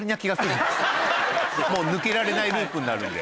もう抜けられないループになるんで。